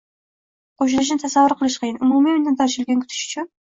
qo‘shilishini tasavvur qilish qiyin. Umumiy minnatdorchilikni kutish ham